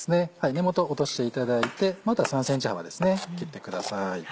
根元落としていただいて３ｃｍ幅ですね切ってください。